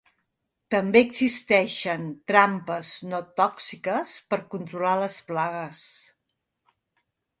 També existeixen trampes no tòxiques per controlar les plagues.